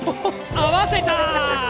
合わせた！